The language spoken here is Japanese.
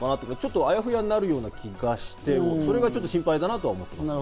って、あやふやになるような気がして、それが心配だなとは思ってます。